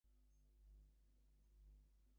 He was interred in Holy Hope Cemetery in Tucson.